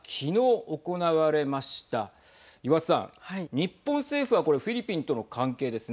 日本政府はこれフィリピンとの関係ですね。